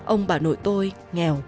ông bảo nội tôi nghèo